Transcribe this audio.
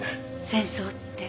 戦争って。